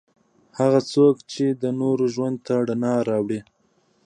هغه څوک چې د نورو ژوند ته رڼا راوړي.